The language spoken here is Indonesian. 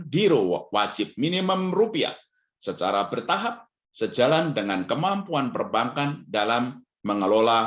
biro wajib minimum rupiah secara bertahap sejalan dengan kemampuan perbankan dalam mengelola